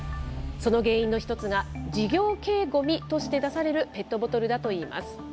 その原因の一つが、事業系ごみとして出されるペットボトルだといいます。